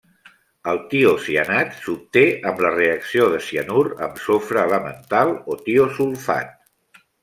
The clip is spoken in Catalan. El tiocianat s'obté amb la reacció de cianur amb sofre elemental o tiosulfat.